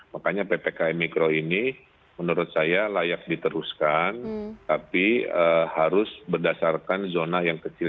makanya ppkm mikro ini menurut saya layak diteruskan tapi harus berdasarkan zona yang kecil